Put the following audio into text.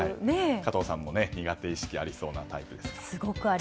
加藤さんも苦手意識がありそうなタイプ。